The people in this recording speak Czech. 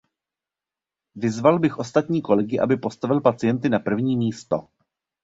Vyzval bych ostatní kolegy, aby postavili pacienty na první místo.